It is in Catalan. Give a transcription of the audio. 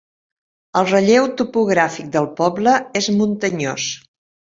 El relleu topogràfic del poble és muntanyós.